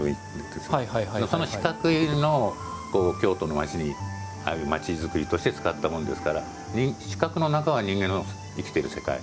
四角いのを京都の町に町づくりとして使ったものですから四角の中は人間の生きている世界。